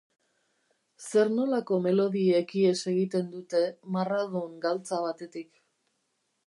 Zer nolako melodiek ihes egiten dute marradun galtza batetik?